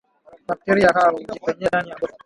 Bakteria hao hujipenyeza ndani ya ngozi